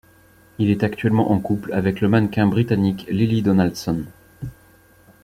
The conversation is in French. Il est actuellement en couple avec le mannequin britannique Lily Donaldson.